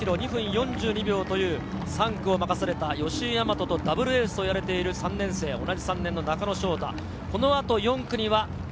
６ｋｍの通過が１６分４３秒、この１ｋｍ２分４２秒という３区を任された吉居大和とダブルエースと言われている３年生、同じ３年の中野翔太。